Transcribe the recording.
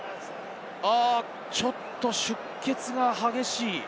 ちょっと出血が激しい。